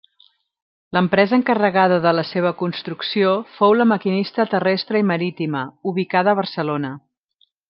L'empresa encarregada de la seva construcció fou la Maquinista Terrestre i Marítima, ubicada a Barcelona.